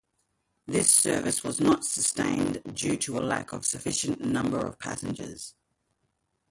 This service was not sustained due to a lack a sufficient number of passengers.